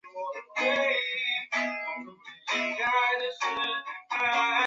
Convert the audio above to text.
在这里自由电子的数量足以影响电波的传播。